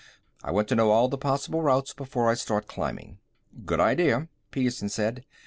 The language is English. I want to know all the possible routes before I start climbing." "Good idea," Petersen said.